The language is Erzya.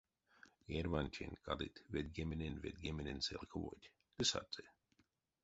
Эрьвантень кадыть ведьгеменень-ведьгеменень целковойть — ды саты.